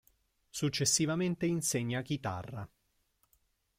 Successivamente insegna chitarra.